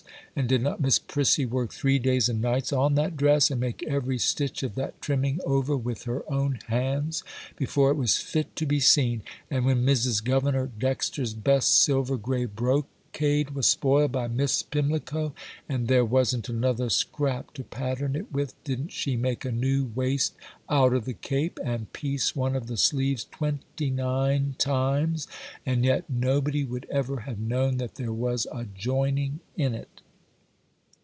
and did not Miss Prissy work three days and nights on that dress, and make every stitch of that trimming over with her own hands, before it was fit to be seen? And when Mrs. Governor Dexter's best silver gray brocade was spoiled by Miss Pimlico, and there wasn't another scrap to pattern it with, didn't she make a new waist out of the cape, and piece one of the sleeves twenty nine times, and yet nobody would ever have known that there was a joining in it?